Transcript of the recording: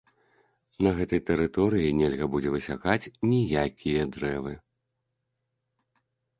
На гэтай тэрыторыі нельга будзе высякаць ніякія дрэвы.